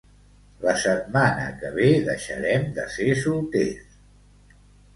La setmana que ve deixarem de ser solters.